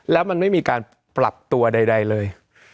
แล้วมันไม่มีการปรับตัวใดเลย